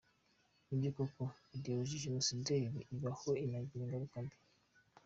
Ni byo koko idéologie génocidaire ibaho, inagira ingaruka mbi.